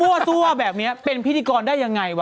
ตัวแบบนี้เป็นพิธีกรได้ยังไงวะ